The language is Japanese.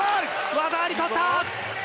技あり、勝った！